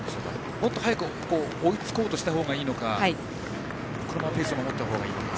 もっと早く追いつこうとしたほうがいいのかこのペースを守ったほうがいいか。